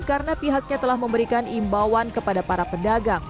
karena pihaknya telah memberikan imbauan kepada para pedagang